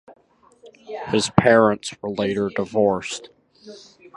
His parents were later divorced.